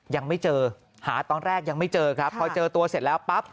ยังไม่เจอหาตอนแรกยังไม่เจอครับพอเจอตัวเสร็จแล้วปั๊บ